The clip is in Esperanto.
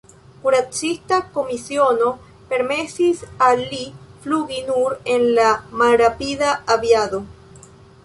Kuracista komisiono permesis al li flugi nur en la malrapida aviado.